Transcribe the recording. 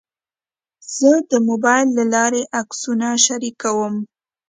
زه د موبایل له لارې عکسونه شریکوم.